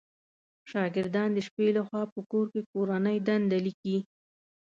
شاګردان د شپې لخوا په کور کې کورنۍ دنده ليکئ